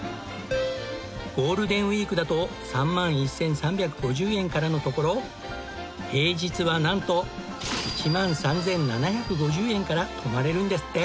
ゴールデンウィークだと３万１３５０円からのところ平日はなんと１万３７５０円から泊まれるんですって！